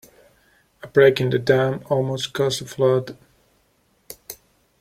A break in the dam almost caused a flood.